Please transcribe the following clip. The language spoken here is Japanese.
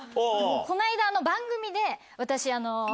この間番組で「私」。